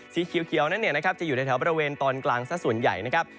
สีเขียวนั้นจะอยู่ในแถวบริเวณตอนกลางซะส่วนใหญ่นะครับ